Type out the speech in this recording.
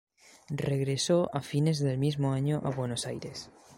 Regresó a fines del mismo año a Buenos Aires.